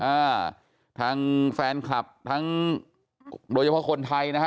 อ่าทางแฟนคลับทั้งโดยเฉพาะคนไทยนะฮะ